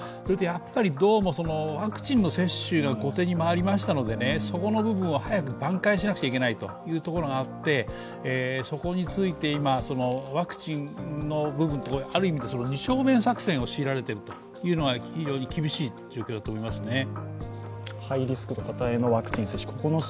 どうもワクチンの接種が後手に回りましたのでそこの部分を早く挽回しなくちゃいけないところがあってそこについて今、ワクチンの部分、二正面作戦を求められているというのが非常に厳しい状況だと思いますね。